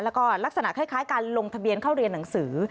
แล้วก็ลักษณะคล้ายการลงทะเบียนเข้าเรียนหนังสือ